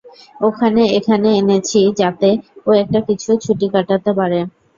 ওকে এখানে এনেছি যাতে ও একটা ছুটি কাটাতে পারে!